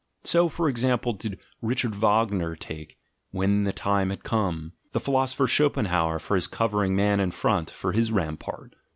So, for example, did Richard Wagner take, "when the time had come," the philosopher Schopenhauer for his covering man in front, for his rampart.